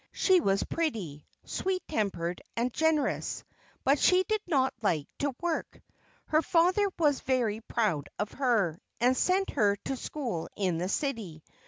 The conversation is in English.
She was pretty, sweet tempered, and generous, but she did not like to work. Her father was very proud of her, and sent her to school in the city.